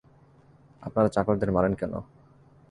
আপনারা চাকরদের মারেন কেন?